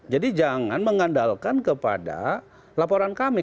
jadi jangan mengandalkan kepada laporan kami